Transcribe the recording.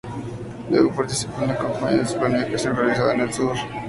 Luego participó en la campaña de pacificación realizada en el sur.